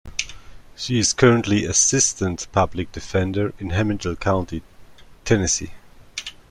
She is currently Assistant Public Defender in Hamilton County, Tennessee.